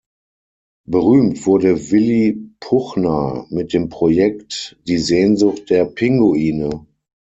Berühmt wurde Willy Puchner mit dem Projekt „Die Sehnsucht der Pinguine“.